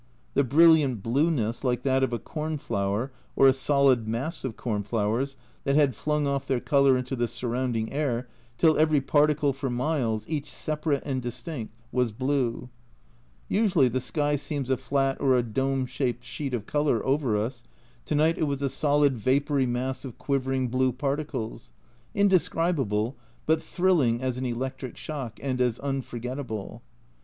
The brilliant blueness like that of a corn flower or a solid mass of cornflowers that had flung off their colour into the surrounding air, till every particle for miles, each separate and distinct, was A Journal from Japan 179 blue. Usually the sky seems a flat or a dome shaped sheet of colour over us, to night it was a solid vapoury mass of quivering blue particles indescribable, but thrilling as an electric shock, and as unforgettable.